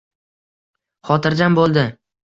xotirjam bo‘ldi.